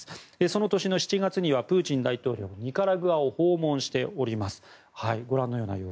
その年の７月にはプーチン大統領がニカラグアを訪問しております。